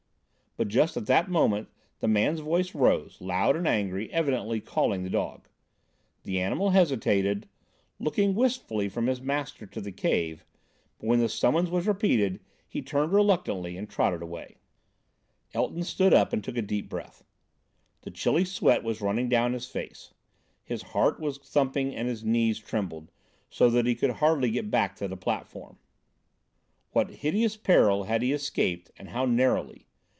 But just at that moment the man's voice rose, loud and angry, evidently calling the dog. The animal hesitated, looking wistfully from his master to the cave; but when the summons was repeated, he turned reluctantly and trotted away. Elton stood up and took a deep breath. The chilly sweat was running down his face, his heart was thumping and his knees trembled, so that he could hardly get back to the platform. What hideous peril had he escaped and how narrowly!